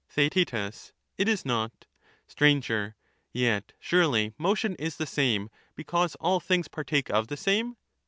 Theaet, It is not. Sir. Yet, surely, motion is the same, because all things partake of the same.